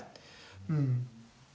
うん。